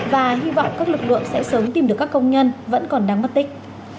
và hy vọng các lực lượng sẽ sớm tìm được các công nhân vẫn còn đang mất tích